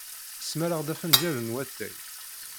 Smareɣ-d afenjal n watay.